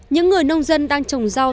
những người nông dân đang trồng rau